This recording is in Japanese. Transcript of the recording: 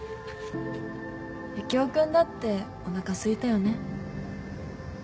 ユキオ君だっておなかすいたよね？